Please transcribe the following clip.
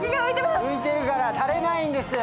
浮いてるからたれないんです。